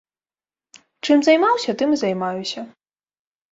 Чым займаўся, тым і займаюся.